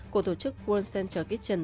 của tổ chức world center kitchen